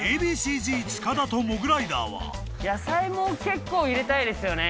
Ａ．Ｂ．Ｃ−Ｚ塚田とモグライダーは野菜も結構入れたいですよね